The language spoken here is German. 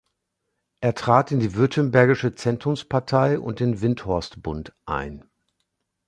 Er trat in die württembergische Zentrumspartei und den Windthorstbund ein.